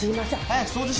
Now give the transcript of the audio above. はい！